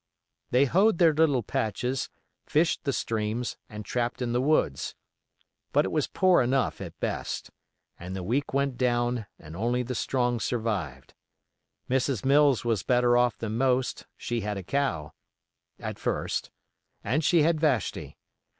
They hoed their little patches, fished the streams, and trapped in the woods. But it was poor enough at best, and the weak went down and only the strong survived. Mrs. Mills was better off than most, she had a cow—at first, and she had Vashti.